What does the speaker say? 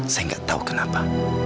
saya nggak tahu kenapa